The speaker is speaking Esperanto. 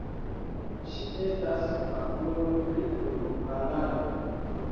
Ŝi estas fakulo pri urboplanado.